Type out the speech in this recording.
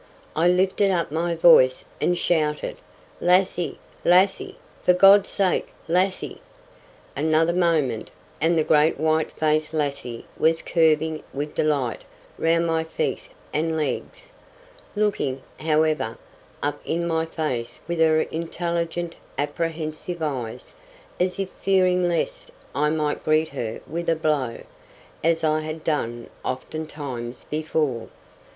I lifted up my voice and shouted "Lassie! Lassie! for God's sake, Lassie!" Another moment, and the great white faced Lassie was curving and gambolling with delight round my feet and legs, looking, however, up in my face with her intelligent, apprehensive eyes, as if fearing lest I might greet her with a blow, as I had done oftentimes before.